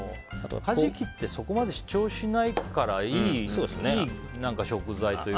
カジキってそこまで主張しないからいい食材というか。